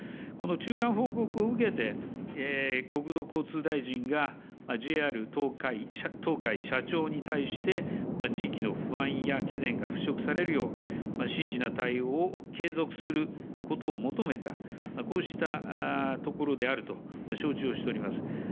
この中間報告を受けて、国土交通大臣がＪＲ東海社長に対して、地域の不安や懸念が払しょくされるよう、真摯な対応を継続することを求めた、こうしたところであると承知をしております。